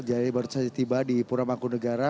jadi baru saja tiba di puramangkunegara